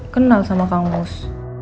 kenal sama kang mus